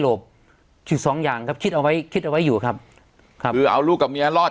คิดสองอย่างครับคิดเอาไว้คิดเอาไว้อยู่ครับครับคือเอาลูกกับเมียรอด